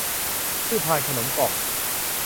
คู่พานขนมกล่อง